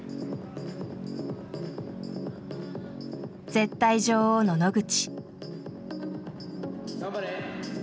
絶対女王の野口。